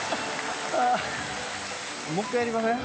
もう一回やりません？